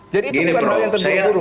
jadi itu bukan hal yang terburu buru